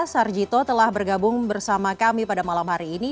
sarjito telah bergabung bersama kami pada malam hari ini